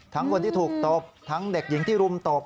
คนที่ถูกตบทั้งเด็กหญิงที่รุมตบ